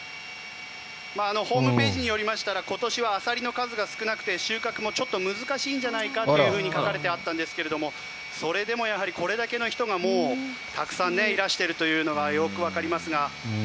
ホームページによりましたら今年はアサリの数が少なくて収穫もちょっと難しいんじゃないかと書かれていたんですがそれでもこれだけの人がたくさんいらしているのがよくわかりますが。